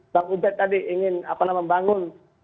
bang ubed tadi ingin apa namanya membangun